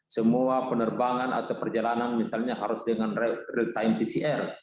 semua penerbangan atau perjalanan misalnya harus dengan real time pcr